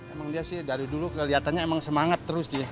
emang dia sih dari dulu kelihatannya emang semangat terus dia